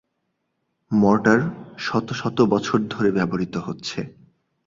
Mortar শত শত বছর ধরে ব্যবহৃত হচ্ছে।